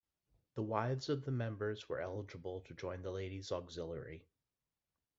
The wives of the members were eligible to join the Ladies Auxiliary.